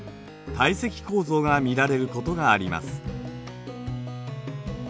堆積構造が見られることがあります。